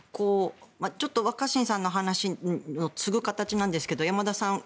ちょっと若新さんの話に次ぐ形なんですが山田さん